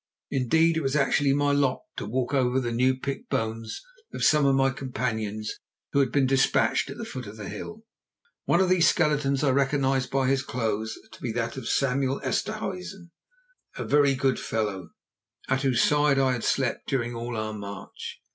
Indeed, it was actually my lot to walk over the new picked bones of some of my companions who had been despatched at the foot of the hill. One of these skeletons I recognised by his clothes to be that of Samuel Esterhuizen, a very good fellow, at whose side I had slept during all our march.